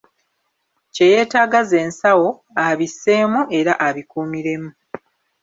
Kye yeetaga ze nsawo, abisseemu era abikuumiremu.